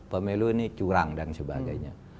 pemilu ini curang dan sebagainya